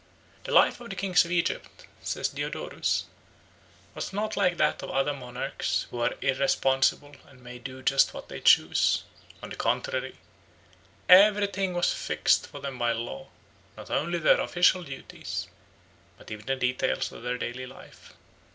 "The life of the kings of Egypt," says Diodorus, "was not like that of other monarchs who are irresponsible and may do just what they choose; on the contrary, everything was fixed for them by law, not only their official duties, but even the details of their daily life.